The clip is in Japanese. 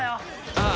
ああ。